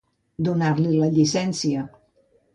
Donar-li la llicència.